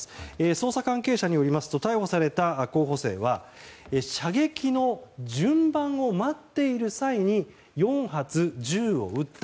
捜査関係者によりますと逮捕された候補生は射撃の順番を待っている際に４発、銃を撃った。